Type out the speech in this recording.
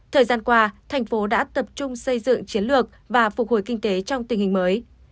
thời gian qua thành phố đã tập trung xây dựng chiến lược và phục hồi kinh tế trong tình hình mới